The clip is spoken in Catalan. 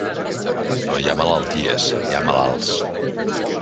No hi ha malalties; hi ha malalts.